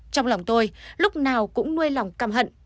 trong lòng tôi lúc nào cũng nuôi lòng cam hận